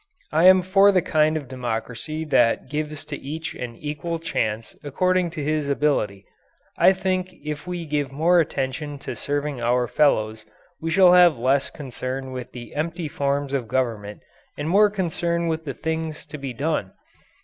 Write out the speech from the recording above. I am for the kind of democracy that gives to each an equal chance according to his ability. I think if we give more attention to serving our fellows we shall have less concern with the empty forms of government and more concern with the things to be done.